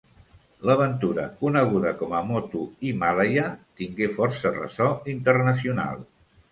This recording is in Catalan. L'aventura, coneguda com a Moto Himàlaia, tingué força ressò internacional.